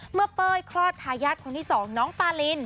เมื่อเป้ยคลอดทายาทคนที่๒น้องปาลิน